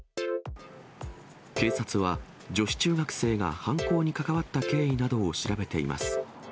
警察は、女子中学生が犯行に関わった経緯などを調べています。